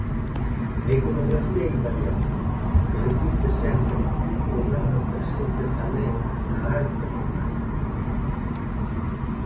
A iconografía é invariábel, que repite sempre un programa presente tamén na arte románica.